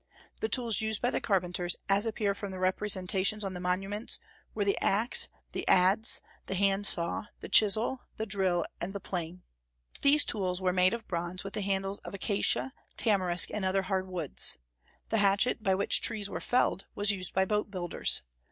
The tools used by the carpenters, as appear from the representations on the monuments, were the axe, the adze, the hand saw, the chisel, the drill, and the plane. These tools were made of bronze, with handles of acacia, tamarisk, and other hard woods. The hatchet, by which trees were felled, was used by boat builders.